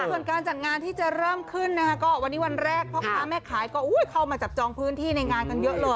ส่วนการจัดงานที่จะเริ่มขึ้นนะคะก็วันนี้วันแรกพ่อค้าแม่ขายก็เข้ามาจับจองพื้นที่ในงานกันเยอะเลย